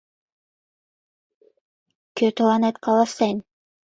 Кӧ тыланет каласен?